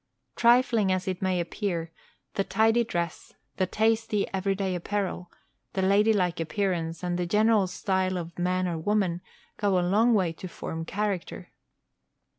Trifling as it may appear, the tidy dress, the tasty every day apparel, the ladylike appearance, and general style of man or woman, go a long way to form character.